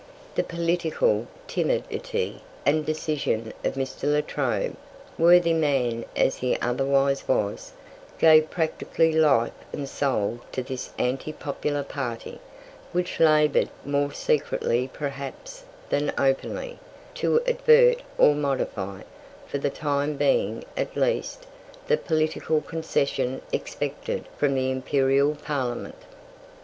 The political timidity and indecision of Mr. La Trobe, worthy man as he otherwise was, gave practically life and soul to this anti popular party, which laboured, more secretly perhaps than openly, to avert or modify, for the time being at least, the political concession expected from the Imperial Parliament.